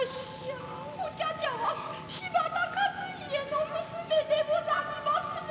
お茶々は柴田勝家の娘でござりまする。